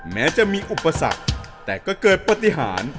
แม้จะมีอุปสรรคแต่ก็เกิดปฏิหาร